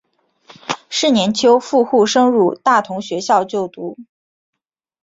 是年秋赴沪升入大同学校就读。